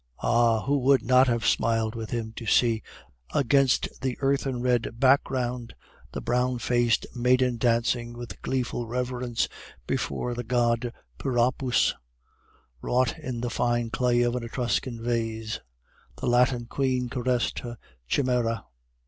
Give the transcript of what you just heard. Ah! who would not have smiled with him to see, against the earthen red background, the brown faced maiden dancing with gleeful reverence before the god Priapus, wrought in the fine clay of an Etruscan vase? The Latin queen caressed her chimera.